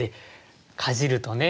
かじるとね